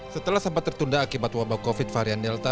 setelah sempat tertunda akibat wabah covid varian delta